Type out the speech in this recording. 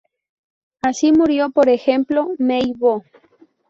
Así murió, por ejemplo, Mei Bo.